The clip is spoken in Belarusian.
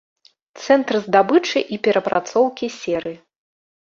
Цэнтр здабычы і перапрацоўкі серы.